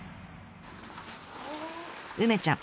梅ちゃん